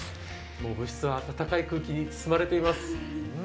部室は温かい空気に包まれています。